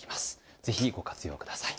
ぜひご活用ください。